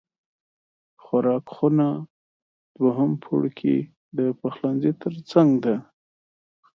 خوراک خونه دوهم پوړ کې د پخلنځی تر څنګ ده